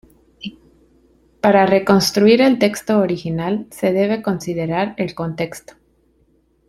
Para reconstruir el texto original, se debe considerar el contexto.